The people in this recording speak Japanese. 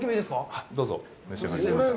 はい、どうぞ召し上がってください。